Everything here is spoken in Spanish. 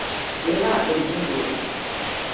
Era herbívoro.